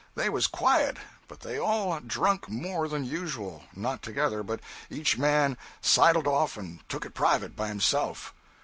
They was quiet, but they all drunk more than usual not together but each man sidled off and took it private, by himself.